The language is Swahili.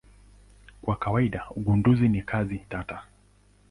Kwa kawaida ugunduzi ni kazi tata.